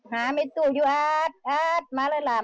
แง่เอิญแล้วครับ